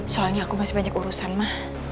soalnya aku masih banyak urusan mah